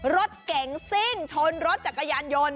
รถเก๋งซิ่งชนรถจักรยานยนต์